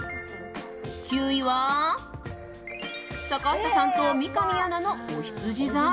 ９位は、坂下さんと三上アナのおひつじ座。